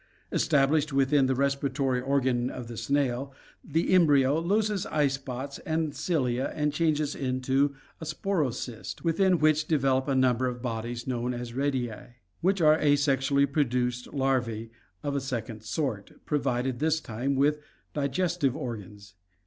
Established within the respiratory organ of the snail, the embryo loses eyespots and cilia and changes into a sporocyst, within which develop a number of bodies known as rediae, which are asexually produced larvae of a second sort, pro vided this time with digestive organs.